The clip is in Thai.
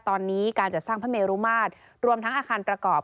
ตอนนี้การจัดสร้างพระเมรุมาตรรวมทั้งอาคารประกอบ